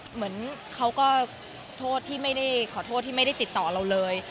เหมือนเขาก็โทษที่ไม่ได้ขอโทษที่ไม่ได้ติดต่อเราเลย